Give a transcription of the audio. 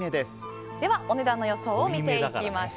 お値段の予想を見ていきます。